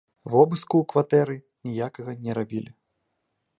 Вобыску ў кватэры ніякага не рабілі.